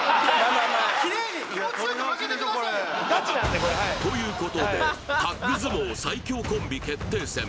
これということでタッグ相撲最強コンビ決定戦